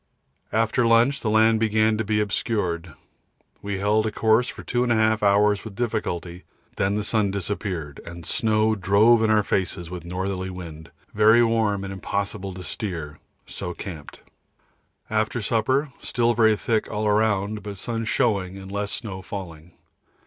After lunch the land began to be obscured. We held a course for 2 1/2 hours with difficulty, then the sun disappeared, and snow drove in our faces with northerly wind very warm and impossible to steer, so camped. After supper, still very thick all round, but sun showing and less snow falling.